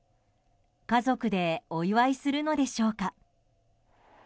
家族でお祝いするのでしょうか？